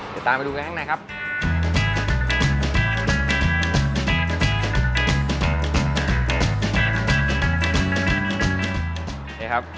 เดี๋ยวตามไปดูกันข้างในครับ